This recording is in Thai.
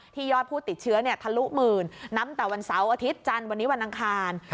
ยอดผู้ติดเชื้อทะลุหมื่นนับแต่วันเสาร์อาทิตย์จันทร์วันนี้วันอังคาร